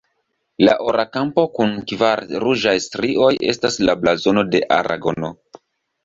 La ora kampo kun kvar ruĝaj strioj estas la blazono de Aragono.